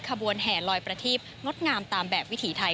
ขบวนแห่ลอยประทีบงดงามตามแบบวิถีไทย